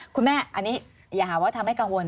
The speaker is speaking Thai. คุณแม่อันนี้อย่าหาว่าทำให้กังวล